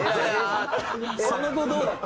「その後どうだ？」と。